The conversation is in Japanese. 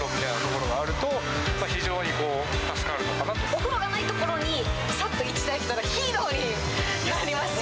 お風呂がない所にさっと１台来たら、ヒーローになりますよ。